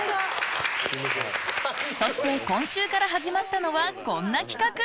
そして今週から始まったのはこんな企画。